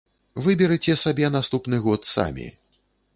Выберыце сабе наступны год самі.